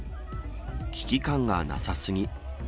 危機感がなさすぎ。